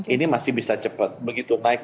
ini masih bisa cepat begitu naik